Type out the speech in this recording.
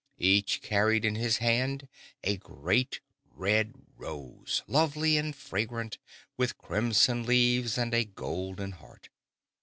Each carried in his hand a great red rose, lovely and fragrant, with crimson leaves and a golden heart.